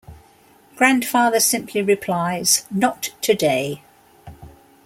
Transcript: Grandfather simply replies, Not today.